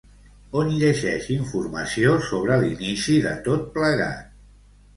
On llegeix informació sobre l'inici de tot plegat?